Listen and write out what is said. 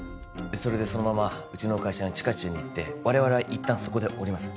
それでそのままうちの会社の地下駐に行って我々はいったんそこで降ります